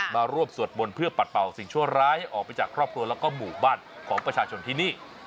มาร่วมสวดมนต์เพื่อปัดเป่าสิ่งชั่วร้ายออกไปจากครอบครัวแล้วก็หมู่บ้านของประชาชนที่นี่